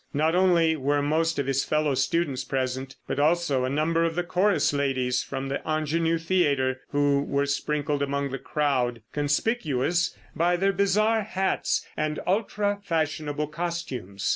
Not only were most of his fellow students present, but also a number of the chorus ladies from the Ingenue Theatre, who were sprinkled among the crowd, conspicuous by their bizarre hats and ultra fashionable costumes.